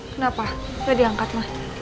kenapa udah diangkat ma